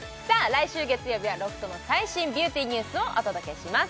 来週月曜日はロフトの最新ビューティーニュースをお届けします